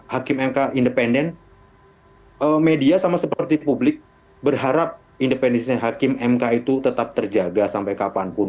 hakim mk independen media sama seperti publik berharap independensi hakim mk itu tetap terjaga sampai kapanpun